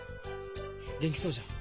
元気そうじゃん。